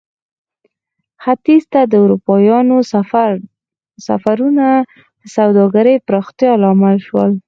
ختیځ ته د اروپایانو سفرونه د سوداګرۍ پراختیا لامل شول.